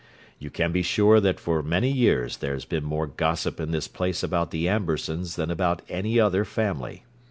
You can be sure that for many years there's been more gossip in this place about the Ambersons than about any other family.